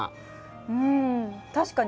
うん確かに。